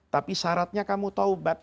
tapi syaratnya kamu taubat